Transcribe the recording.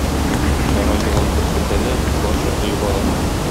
Кара елан бер селтәнә, барчасы югала.